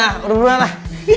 udah udah udah lah